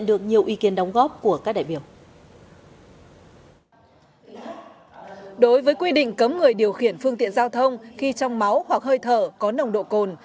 đối với quy định cấm người điều khiển phương tiện giao thông khi trong máu hoặc hơi thở có nồng độ cồn